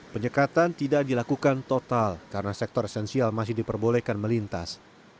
penyekatan tidak dilakukan total karena sektor esensial masih diperbolehkan melintas